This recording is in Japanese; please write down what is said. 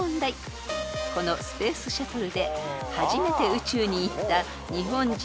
［このスペースシャトルで初めて宇宙に行った］